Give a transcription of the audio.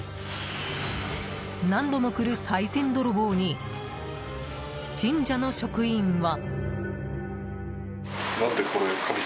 何度も来る、さい銭泥棒に神社の職員は。